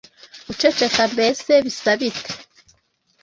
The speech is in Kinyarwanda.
Guceceka mbese bisa bite?